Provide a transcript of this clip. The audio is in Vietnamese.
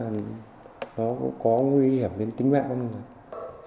nó có nguy hiểm đến tính mạng không